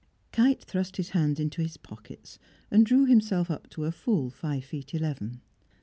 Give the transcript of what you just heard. Kite thrust his hands into his pockets, and drew himself up to a full five feet eleven.